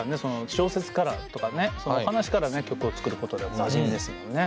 小説からとかねお話からね曲を作ることでおなじみですもんね。